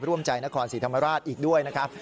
ร่วมใจนครศรีธรรมราชอีกด้วยนะครับ